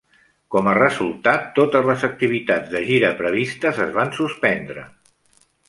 Com a resultat, totes les activitats de gira previstes es van suspendre.